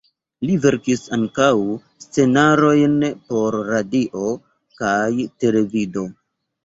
Li verkis ankaŭ scenarojn por radio kaj televido.